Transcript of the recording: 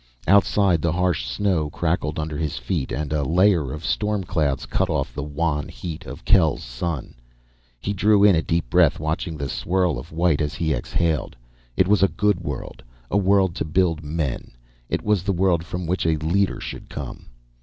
Outside, the harsh snow crackled under his feet, and a layer of storm clouds cut off the wan heat of Kel's sun. He drew in a deep breath, watching the swirl of white as he exhaled. It was a good world a world to build men. It was the world from which a leader should come.